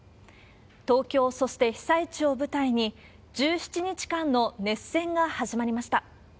東京、そして被災地を舞台に、１７日間の熱戦が始まりました。